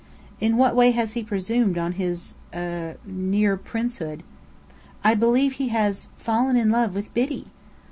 "In what way has he presumed on his er near princehood?" "I believe he has fallen in love with Biddy!"